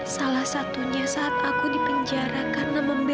salah satunya saat aku berada di rumah sakit